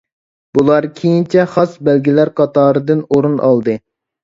بۇلار كېيىنچە خاس بەگلەر قاتارىدىن ئورۇن ئالدى.